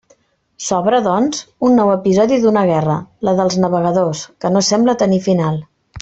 S'obre, doncs, un nou episodi d'una guerra, la dels navegadors, que no sembla tenir final.